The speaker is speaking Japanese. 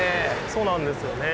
そうなんですよね。